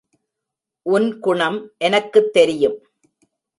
உன் குணம் எனக்குத் தெரியும்.